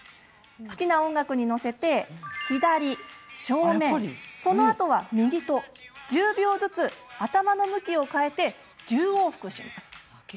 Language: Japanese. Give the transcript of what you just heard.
好きな音楽に乗せて左、正面、そのあとは右と１０秒ずつ頭の向きを変え１０往復します。